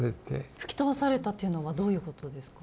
吹き飛ばされたというのはどういうことですか？